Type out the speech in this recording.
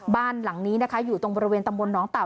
บ้านหลังนี้นะคะอยู่ตรงบริเวณตำบลน้องเต่า